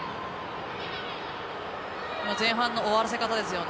前半の終わらせ方ですよね。